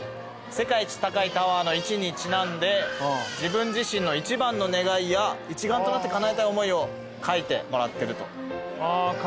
世界一高いタワーの「１」にちなんで「自分自身の一番の願い」や「一丸となってかなえたい想い」を書いてもらってると。